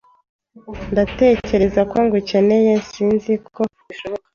Ndatekereza ko ngukeneye sinziko bishoboka